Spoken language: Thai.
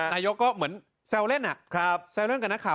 นายกก็เหมือนแซวเล่นแซวเล่นกับนักข่าว